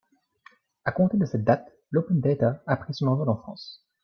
À compter de cette date, l’open data a pris son envol en France.